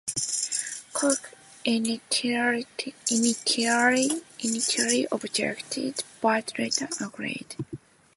Koch initially objected but later agreed.